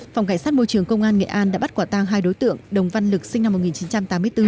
phòng cảnh sát môi trường công an nghệ an đã bắt quả tang hai đối tượng đồng văn lực sinh năm một nghìn chín trăm tám mươi bốn